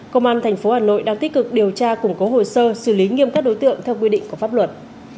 công an tp hà nội đang tích cực điều tra củng cố hồ sơ xử lý nghiêm các đối tượng theo quy định của pháp luật